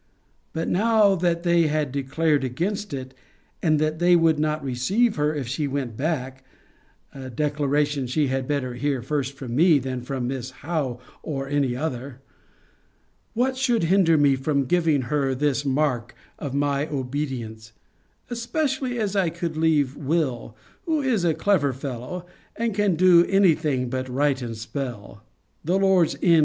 But now that they had declared against it, and that they would not receive her if she went back, (a declaration she had better hear first from me, than from Miss Howe, or any other,) what should hinder me from giving her this mark of my obedience; especially as I could leave Will, who is a clever fellow, and can do any thing but write and spell, and Lord M.'